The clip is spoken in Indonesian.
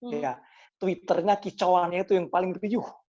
ya twitter nya kicauannya itu yang paling riuh